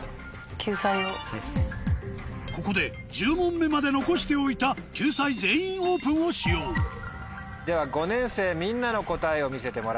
ここで１０問目まで残しておいた救済「全員オープン」を使用では５年生みんなの答えを見せてもらいましょう。